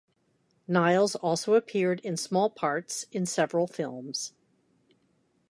Niles also appeared in small parts in several films.